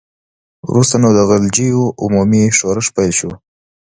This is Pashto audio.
وروسته نو د غلجیو عمومي ښورښ پیل شو.